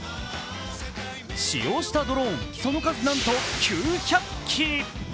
使用したドローン、その数なんと９００機。